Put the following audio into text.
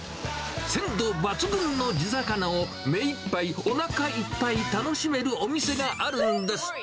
鮮度抜群の地魚を、目いっぱい、おなかいっぱい楽しめるお店があるんです。